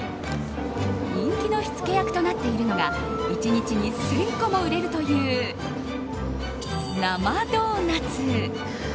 人気の火付け役となっているのが１日に１０００個も売れるという生ドーナツ。